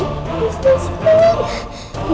gak bisa sih li